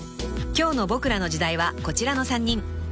［今日の『ボクらの時代』はこちらの３人］